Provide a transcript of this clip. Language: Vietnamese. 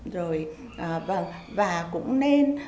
rồi và cũng nên